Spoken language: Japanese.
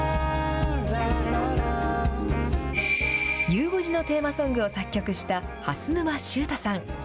ゆう５時のテーマソングを作曲した蓮沼執太さん。